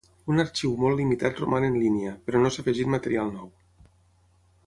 Un arxiu molt limitat roman en línia, però no s'ha afegit material nou.